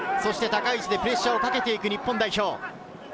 高い位置でプレッシャーをかけていく日本代表。